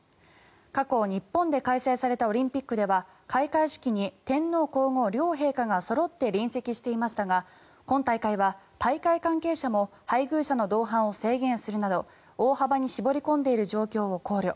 過去、日本で開催されたオリンピックでは開会式に天皇・皇后両陛下がそろって臨席していましたが今大会は大会関係者も配偶者の同伴を制限するなど大幅に絞り込んでいる状況を考慮。